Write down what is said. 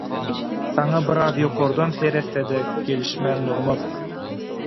Saňa biraz ýokardan seretse-de, gelişmän durmaz.